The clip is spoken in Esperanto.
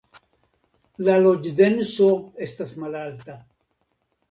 La loĝdenso estas malalta.